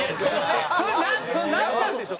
それなんなんでしょう？